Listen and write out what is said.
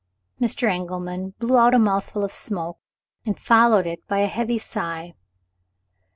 Mr. Engelman blew out a mouthful of smoke, and followed it by a heavy sigh.